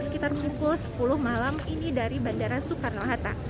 sekitar pukul sepuluh malam ini dari bandara soekarno hatta